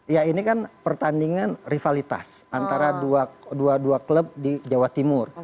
ya ini kan pertandingan rivalitas antara dua dua klub di jawa timur